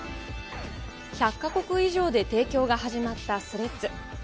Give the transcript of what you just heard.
１００か国以上で提供が始まったスレッズ。